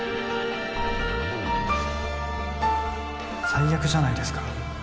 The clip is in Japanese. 最悪じゃないですか。